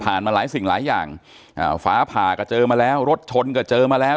มาหลายสิ่งหลายอย่างอ่าฟ้าผ่าก็เจอมาแล้วรถชนก็เจอมาแล้ว